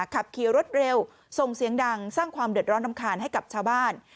ขับขี่รถเร็วส่งเสียงดังสร้างความเดือดร้อนรำคาญให้กับชาวบ้าน